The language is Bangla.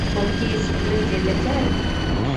ও কি স্কুলে যেতে চায়?